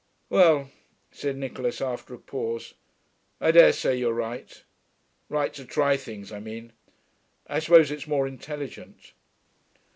'Well,' said Nicholas, after a pause, 'I dare say you're right. Right to try things, I mean. I suppose it's more intelligent.'